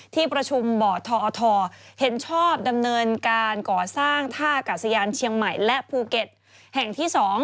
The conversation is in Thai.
ที่ประชุมบ่อทอทเห็นชอบดำเนินการก่อสร้างท่ากาศยานเชียงใหม่และภูเก็ตแห่งที่๒